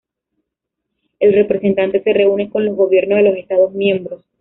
El representante se reúne con los gobiernos de los Estados miembros.